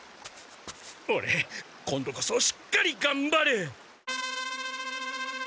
オレ今度こそしっかりがんばる！